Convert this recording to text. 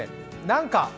何か。